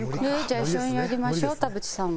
じゃあ一緒にやりましょう田渕さんも。